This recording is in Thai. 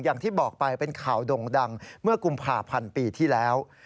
อย่างที่บอกไปเป็นข่าวด่งดังเมื่อกุมภาพันธ์ปีที่แล้ว